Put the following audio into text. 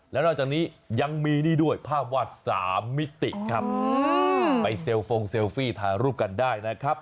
แล้วนอกจากนี้ยังมีนี่ด้วยภาพวาด๓มิติครับไปเซลฟงเซลฟี่ถ่ายรูปกันได้นะครับ